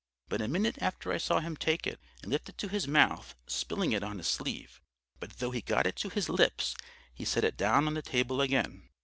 But a minute after I saw him take it, and lift it to his mouth, spilling it on his sleeve. But though he got it to his lips he set it down on the table again.